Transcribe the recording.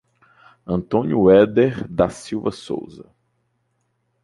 Antônio Ueder da Silva Souza